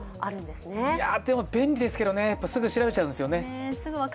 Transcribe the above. でも、便利ですけどね、すぐ調べちゃうんですよね。